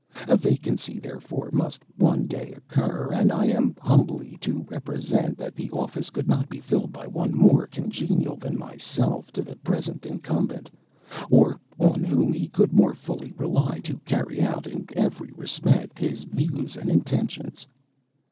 A vacancy, therefore, must one day occur; and I am humbly to represent that the office could not be filled by one more congenial than myself to the present incumbent, or on whom he could more fully rely to carry out in every respect his views and intentions."